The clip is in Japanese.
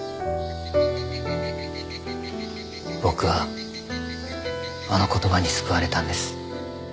僕はあの言葉に救われたんです。